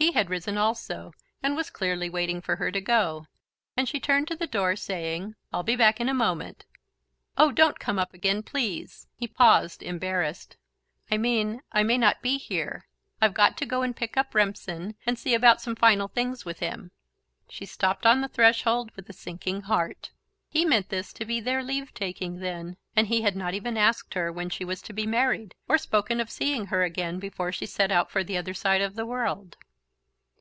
He had risen also, and was clearly waiting for her to go, and she turned to the door, saying: "I'll be back in a moment." "Oh, don't come up again, please!" He paused, embarrassed. "I mean I may not be here. I've got to go and pick up Rempson, and see about some final things with him." She stopped on the threshold with a sinking heart. He meant this to be their leave taking, then and he had not even asked her when she was to be married, or spoken of seeing her again before she set out for the other side of the world.